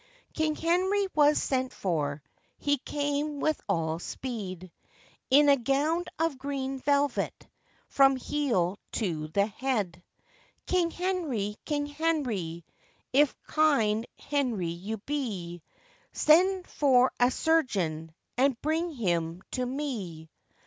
King Henrie was sent for, He came with all speed, In a gownd of green velvet From heel to the head. 'King Henrie! King Henrie! If kind Henrie you be, Send for a surgeon, And bring him to me.